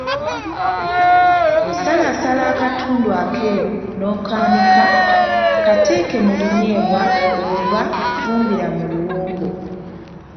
Osalaasala akatundu akeeru n’okaanika, kateeke mu binyeebwa oba fumbira mu luwombo.